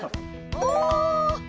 お！